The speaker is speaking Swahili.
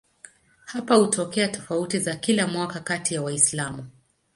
Hapa hutokea tofauti za kila mwaka kati ya Waislamu.